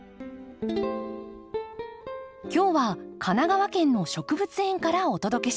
今日は神奈川県の植物園からお届けします。